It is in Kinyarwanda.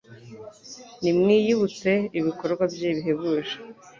Nimwiyibutse ibikorwa bye bihebuje